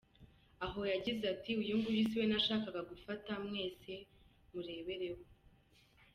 Aho yagize ati :”Uyu nguyu siwe nashakaga gufata mwese murebereho….